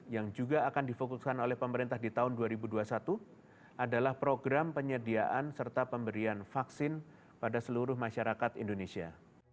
yang juga akan difokuskan oleh pemerintah di tahun dua ribu dua puluh satu adalah program penyediaan serta pemberian vaksin pada seluruh masyarakat indonesia